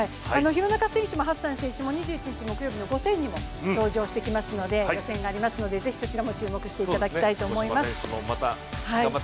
廣中選手もハッサン選手も５０００にも登場してきますので予選がありますのでぜひそちらも注目していただきたいと思います。